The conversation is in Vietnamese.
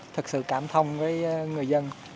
thật sự cảm thông với người dân